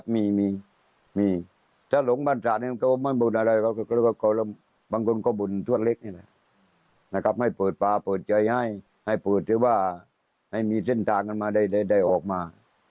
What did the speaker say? ไม่มีเส้นทางกันมาได้ออกมา